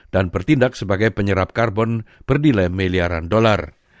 dan bertindak sebagai penyerap karbon berdilai miliaran dolar